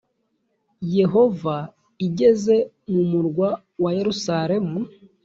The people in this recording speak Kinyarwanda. yehova igeze mu murwa wa yeruzaremu